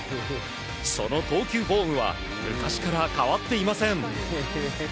その投球フォームは昔から変わっていません。